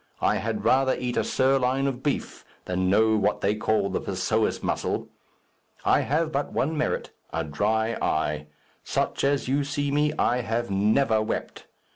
I had rather eat a sirloin of beef than know what they call the psoas muscle. I have but one merit a dry eye. Such as you see me, I have never wept.